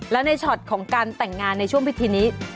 และในช็อตของการแต่งงานในช่วงพิธีนี้